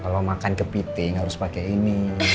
kalau makan kepiting harus pakai ini